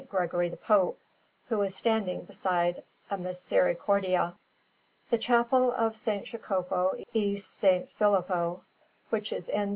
Gregory the Pope, who is standing beside a Misericordia. The Chapel of S. Jacopo e S. Filippo, which is in S.